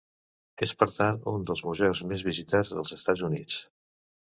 És per tant un dels museus més visitats dels Estats Units.